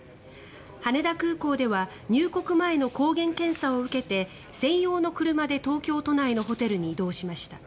羽田空港では入国前の抗原検査を受けて専用の車で東京都内のホテルに移動しました。